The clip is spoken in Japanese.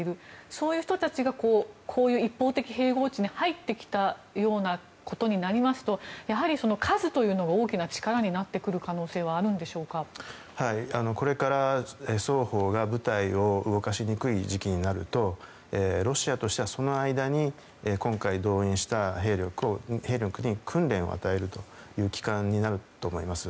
そういう人たちがこういう一方的併合地に入ってくるとなるとやはり、数というのが大きな力になってくる可能性はこれから双方が部隊を動かしにくい時期になるとロシアとしてはその間に今回動員した兵力に訓練を与える機関になると思います。